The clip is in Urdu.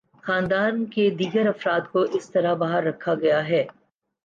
خاندان کے دیگر افراد کو اس طرح باہر رکھا گیا ہے۔